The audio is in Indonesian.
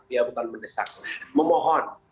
ya bukan mendesak memohon